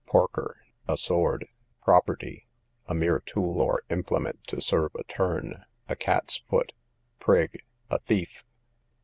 Porker, a sword. Property, a mere tool or implement to serve a turn; a cat's foot. Prig, a thief.